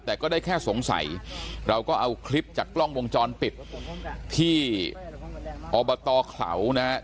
แต่ก็ได้แค่สงสัยเราก็เอาคลิปจากกล้องวงจรปิดที่อบตเขลานะฮะ